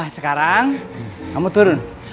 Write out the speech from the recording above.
sekarang kamu turun